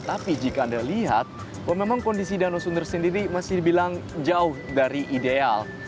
tapi jika anda lihat memang kondisi danau sunter sendiri masih dibilang jauh dari ideal